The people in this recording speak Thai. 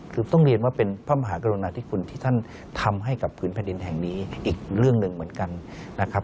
คือต้องเรียนว่าเป็นพระมหากรุณาธิคุณที่ท่านทำให้กับพื้นแผ่นดินแห่งนี้อีกเรื่องหนึ่งเหมือนกันนะครับ